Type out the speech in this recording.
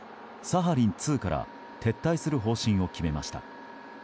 サハリン２から撤退する方針を決めました。